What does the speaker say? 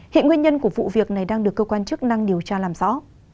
hiện nguyên nhân của vụ việc này đang được cơ quan chức năng điều tra làm rõ